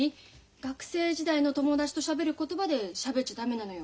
学生時代の友達としゃべる言葉でしゃべっちゃ駄目なのよ。